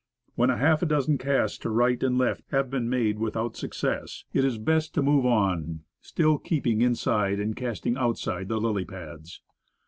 When half a dozen casts to right and left have been made without success, it is best to move on, still keeping inside and casting outside the lily pads.